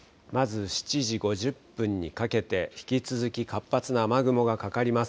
まず７時５０分にかけて、引き続き活発な雨雲がかかります。